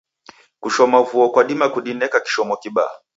Kushoma vuo kwadima kudineka kishomo kibaa.